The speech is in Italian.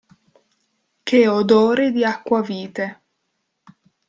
Che odore di acquavite!